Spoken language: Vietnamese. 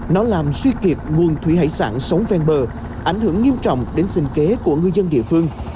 nó làm suy kiệt nguồn thủy hải sản sống ven bờ ảnh hưởng nghiêm trọng đến sinh kế của ngư dân địa phương